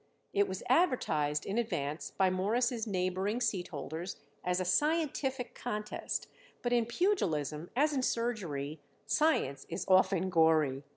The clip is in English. It was advertised in advance by Morris' neighboring seatholders as a scientific contest, but in pugilism, as in surgery, science is often gory.